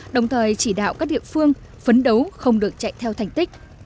đồng thời chỉ đạo các địa phương phấn đấu không được chạy theo thành tích